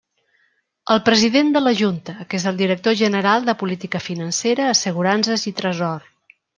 El president de la Junta, que és el director general de Política Financera, Assegurances i Tresor.